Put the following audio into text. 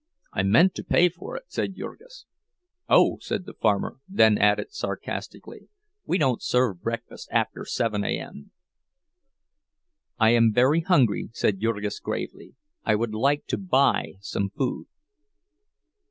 "I meant to pay for it," said Jurgis. "Oh," said the farmer; and then added sarcastically, "We don't serve breakfast after 7 A.M." "I am very hungry," said Jurgis gravely; "I would like to buy some food."